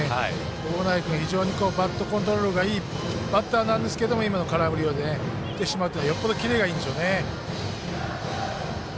小保内君非常にバットコントロールがいいバッターなんですけど今の空振りを振ってしまうというのはよほど、キレがいいんですね。